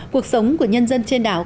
cuộc sống của nhân dân trên đảo